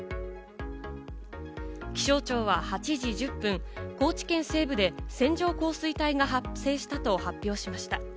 気象庁は８時１０分、高知県西部で線状降水帯が発生したと発表しました。